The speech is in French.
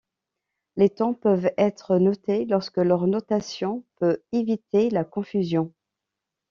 Les tons peuvent être notés lorsque leur notation peut éviter la confusion.